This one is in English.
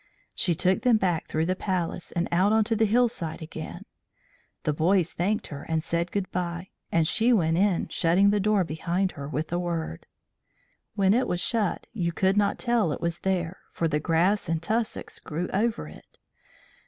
She took them back through the Palace and out on to the hillside again. The boys thanked her and said good bye, and she went in, shutting the door behind her with a word. When it was shut, you could not tell it was there, for the grass and tussocks grew over it.